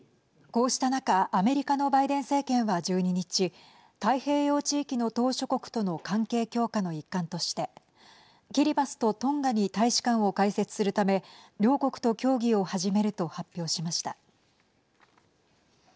こうした中アメリカのバイデン政権は１２日太平洋地域の島しょ国との関係強化の一環としてキリバスとトンガに大使館を開設するため両国と協議を始めると発表しました。